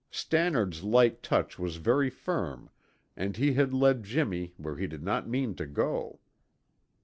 Stannard's light touch was very firm and he had led Jimmy where he did not mean to go.